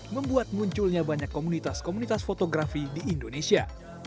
membuat munculnya banyak komunitas komunitas fotografi di indonesia